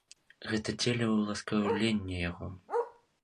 Гэта дзеля ўласкаўлення яго.